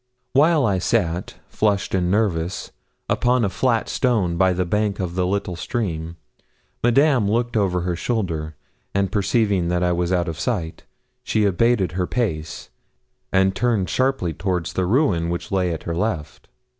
While I sat, flushed and nervous, upon a flat stone by the bank of the little stream, Madame looked over her shoulder, and perceiving that I was out of sight, she abated her pace, and turned sharply towards the ruin which lay at her left.